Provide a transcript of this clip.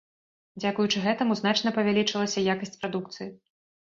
Дзякуючы гэтаму значна павялічылася якасць прадукцыі.